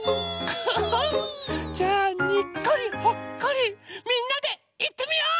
じゃあ「にっこりほっこり」みんなでいってみよう！